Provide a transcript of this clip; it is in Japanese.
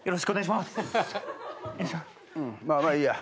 うんまあまあいいや。